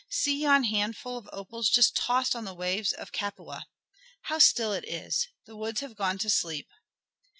"See yon handful of opals just tossed on the waves off Capua. How still it is! The woods have gone to sleep."